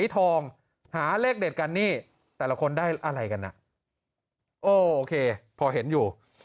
แต่ละคนได้อะไรกันน่ะโอเคพอเห็นอยู่